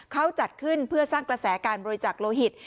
เขาจัดขึ้นเพื่อสร้างกระแสการบริจักษ์โลหิต